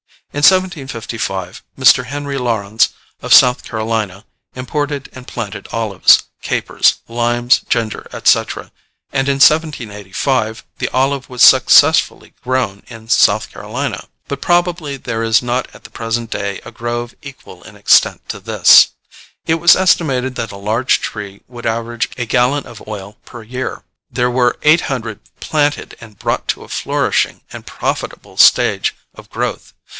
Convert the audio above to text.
In 1755, Mr. Henry Laurens of South Carolina imported and planted olives, capers, limes, ginger, etc., and in 1785 the olive was successfully grown in South Carolina; but probably there is not at the present day a grove equal in extent to this. It was estimated that a large tree would average a gallon of oil per year: there were eight hundred planted and brought to a flourishing and profitable stage of growth.